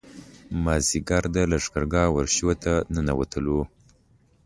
مازیګر د لښکرګاه ورشو ته ننوتلو.